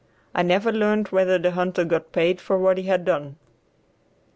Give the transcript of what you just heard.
I never learned whether the hunter got paid for what he had done.